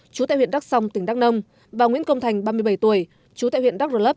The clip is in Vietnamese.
chú tại huyện đắk song tỉnh đắk nông và nguyễn công thành ba mươi bảy tuổi chú tại huyện đắk rơ lấp